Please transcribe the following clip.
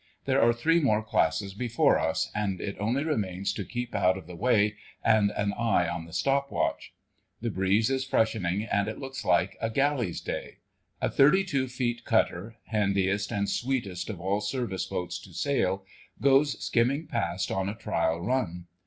There are three more classes before us, and it only remains to keep out of the way and an eye on the stop watch. The breeze is freshening, and it looks like a "Galley's day." A 32 feet cutter (handiest and sweetest of all Service boats to sail) goes skimming past on a trial run.